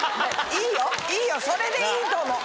いいよ、それでいいと思う。